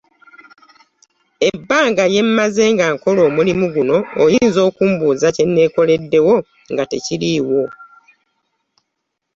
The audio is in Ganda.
Ebbanga lye mmaze nga nkola omulimu guno oyinza okumbuuza kye nneekoleddewo nga tekiriiwo